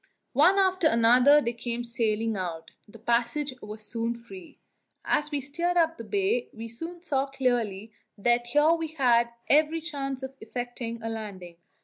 One after another they came sailing out: the passage was soon free. As we steered up the bay, we soon saw clearly that here we had every chance of effecting a landing.